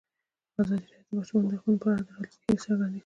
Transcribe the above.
ازادي راډیو د د ماشومانو حقونه په اړه د راتلونکي هیلې څرګندې کړې.